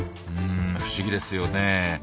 うん不思議ですよね。